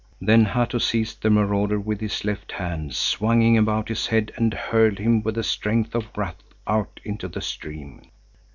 Then Hatto seized the marauder with his left hand, swung him about his head and hurled him with the strength of wrath out into the stream.